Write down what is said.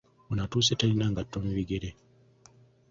Ono atuuse talina ngatto mu bigere.